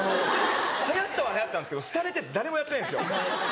流行ったは流行ったんですけど廃れて誰もやってないんですよ。